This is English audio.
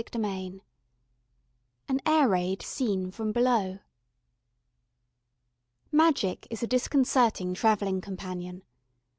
CHAPTER V AN AIR RAID SEEN FROM BELOW Magic is a disconcerting travelling companion.